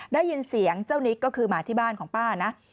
ได้ยินเสียงเจ้านิกก็คือหมาที่บ้านของป้านะ